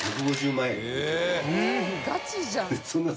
ガチじゃん。